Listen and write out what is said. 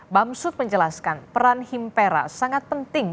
bamsud menjelaskan peran himpera sangat penting